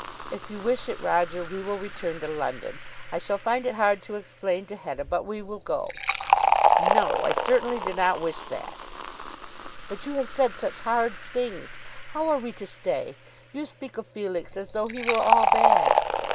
"If you wish it, Roger, we will return to London. I shall find it hard to explain to Hetta; but we will go." "No; I certainly do not wish that." "But you have said such hard things! How are we to stay? You speak of Felix as though he were all bad."